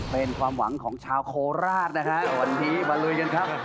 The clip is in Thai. เป็นความหวังของชาวโคราชนะฮะวันนี้มาลุยกันครับ